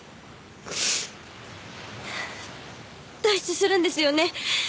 脱出するんですよね？